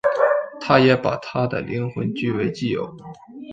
他也把她的灵魂据为己有。